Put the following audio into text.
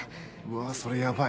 わあーそれヤバい。